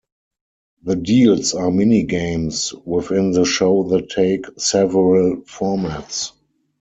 The deals are mini-games within the show that take several formats.